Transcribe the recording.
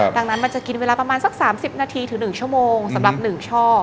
ดังนั้นมันจะกินเวลาประมาณสัก๓๐นาทีถึง๑ชั่วโมงสำหรับ๑ช่อ